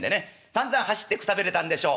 さんざん走ってくたびれたんでしょう。